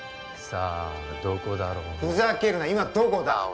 さあどこだろうなふざけるな今どこだ？